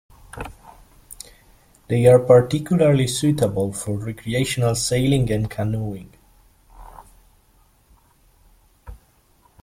They are particularly suitable for recreational sailing and canoeing.